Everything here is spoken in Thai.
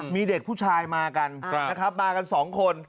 มีเด็กผู้ชายมากันมากันสองคน